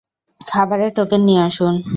খাবারের টোকেন নিয়ে আসুন।